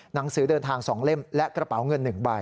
หนังสือเดินทาง๒เล่มและกระเป๋าเงิน๑ใบ